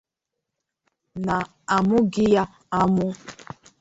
na a mụghị ya amụ